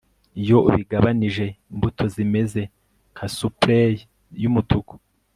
Iyo ubigabanije imbuto zimeze nka spray yumutuku